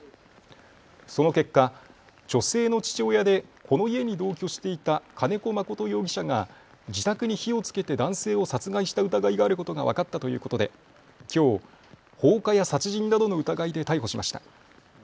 その結果、女性の父親でこの家に同居していた金子誠容疑者が自宅に火をつけて男性を殺害した疑いがあることが分かったということできょう、放火や殺人などの疑いで逮捕しました。